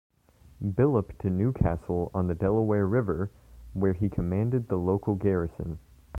Billopp to New Castle on the Delaware River, where he commanded the local garrison.